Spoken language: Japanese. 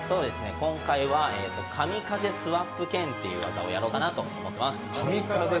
今回は、神風スワップけんという技をやろうかなと思います。